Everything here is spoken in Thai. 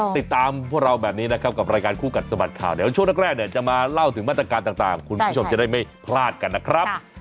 ติดตามพวกเราแบบนี้นะครับกับรายการคู่กัดสะบัดข่าวเดี๋ยวช่วงแรกเนี่ยจะมาเล่าถึงมาตรการต่างคุณผู้ชมจะได้ไม่พลาดกันนะครับ